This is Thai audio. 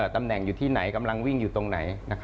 ตำแหน่งอยู่ที่ไหนกำลังวิ่งอยู่ตรงไหน